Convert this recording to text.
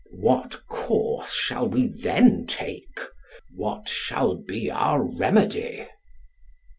What course shall we then take? What shall be our remedy?